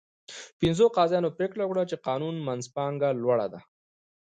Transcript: پنځو قاضیانو پرېکړه وکړه چې قانون منځپانګه لوړه ده.